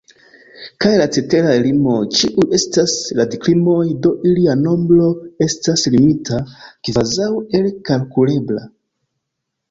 Kaj la ceteraj rimoj ĉiuj estas radikrimoj, do ilia nombro estas limita, kvazaŭ elkalkulebla.